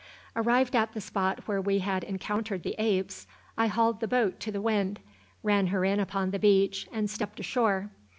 Arrived at the spot where we had encountered the apes, I hauled the boat to the wind, ran her in upon the beach, and stepped ashore.